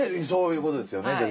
そういうことですよね。